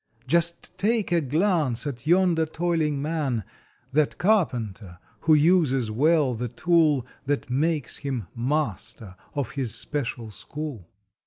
Just take a glance at yonder toiling man, That Carpenter who uses well the tool That makes him Master of his special school.